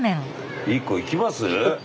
一個いきます？